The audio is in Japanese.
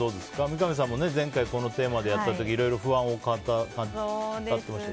三上さんも前回、このテーマでやった時いろいろ不安を語ってましたけど。